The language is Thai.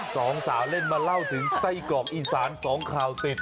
สองสาวเล่นมาเล่าถึงไส้กรอกอีสานสองข่าวติด